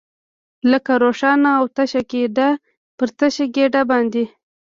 لکه روښانه او تشه ګېډه، پر تشه ګېډه باندې.